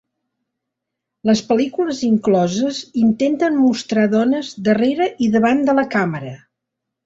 Les pel·lícules incloses intenten mostrar dones darrera i davant de la càmera.